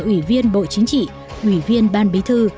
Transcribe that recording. ủy viên bộ chính trị ủy viên ban bí thư